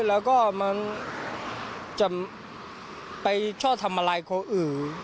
แล้วก็เขาจะไปชอบทำอาหารคุณอื่น